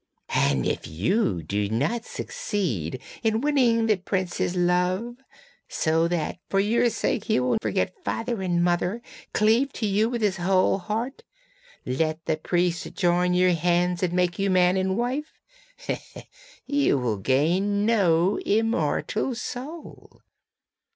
And if you do not succeed in winning the prince's love, so that for your sake he will forget father and mother, cleave to you with his whole heart, let the priest join your hands and make you man and wife, you will gain no immortal soul!